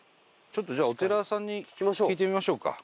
ちょっとじゃあお寺さんに聞いてみましょうか。